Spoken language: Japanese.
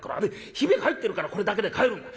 ヒビが入ってるからこれだけで買えるんだ。